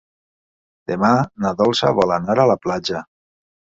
Demà na Dolça vol anar a la platja.